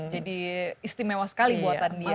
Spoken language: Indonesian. jadi istimewa sekali buatan dia